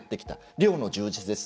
量の充実です。